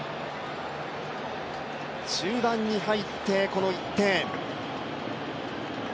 中盤に入ってこの１点。